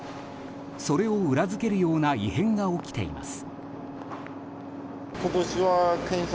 それを裏付けるような異変が起きています。